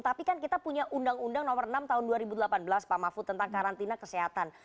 tapi kan kita punya undang undang nomor enam tahun dua ribu delapan belas pak mahfud tentang karantina kesehatan